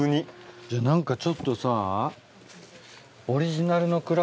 じゃあ何かちょっとさ。